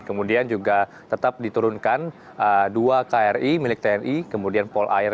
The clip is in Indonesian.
kemudian juga tetap diturunkan dua kri milik tni kemudian polair